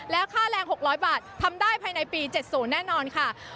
แล้วค่าแรง๖๐๐บาททำได้ภายในปี๗๐แน่นอนค่ะ